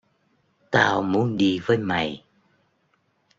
Tao muốn đi với mày